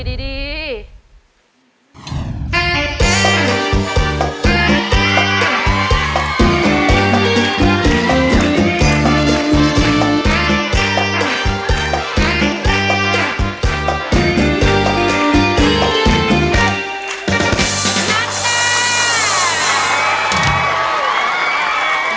นัดนั้น